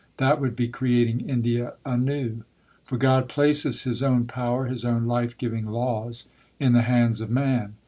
That would be creating India anew. For God places His own power, His own life giving laws in the hands of man.